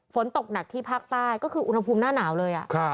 ฝนตกหนักที่ภาคใต้ก็คืออุณหภูมิหน้าหนาวเลย